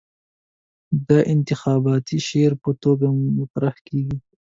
دا د انتخاباتي شعار په توګه مطرح کېږي.